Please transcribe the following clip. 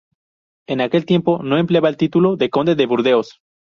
En aquel tiempo no empleaba el título de conde de Burdeos.